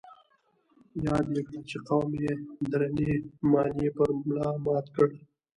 ياده يې کړه چې قوم يې درنې ماليې پر ملا مات کړ.